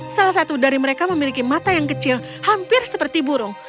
salah satu dari mereka memiliki mata yang kecil hampir seperti burung